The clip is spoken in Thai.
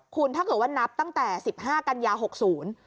คุณถ้าเกิดว่านับตั้งแต่สิบห้ากันยาหกศูนย์